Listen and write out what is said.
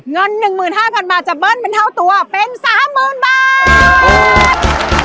เงิน๑๕๐๐๐บาทจะเบิ้ลเป็นเท่าตัวเป็น๓๐๐๐บาท